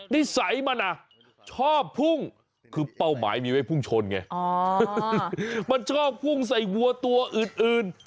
นิสัยมันชอบพุ่งคือเป้าหมายมีไว้พุ่งชนไงมันชอบพุ่งใส่วัวตัวอื่น